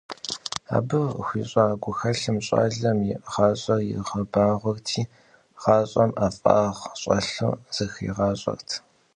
Абы хуищӏа гухэлъым щӏалэм и гуащӏэр игъэбагъуэрти, гъащӏэм ӏэфӏагъ щӏэлъу зыхригъащӏэрт.